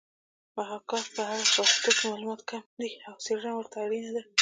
محاکات په اړه په پښتو کې معلومات کم دي او څېړنه ورته اړینه ده